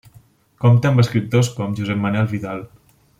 Compta amb escriptors com Josep Manel Vidal.